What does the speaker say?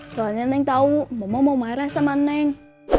soalnya neng tahu mama mau marah sama neng